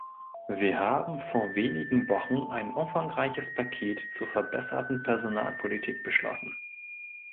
Wir haben vor wenigen Wochen ein umfangreiches Paket zur verbesserten Personalpolitik beschlossen.